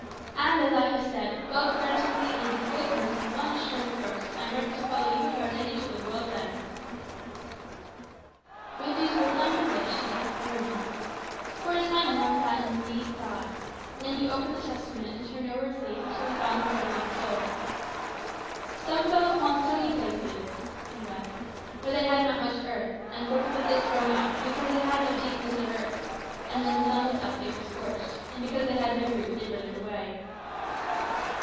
And, as I have said, God granting me, in his great mercy, one assurance first, I am ready to follow you and your lady to the world's end." With these words on her lips she left the room. For a time Juan sat silent in deep thought. Then he opened the Testament, and turned over its leaves until he found the parable of the sower. "'Some fell upon stony places,'" he read, "'where they had not much earth; and forthwith they sprung up, because they had no deepness of earth: and when the sun was up, they were scorched; and, because they had no root, they withered away.